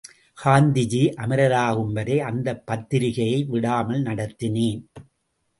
காந்திஜி அமரராகும் வரை அந்தப் பத்திரிகையை விடாமல் நடத்தினேன்.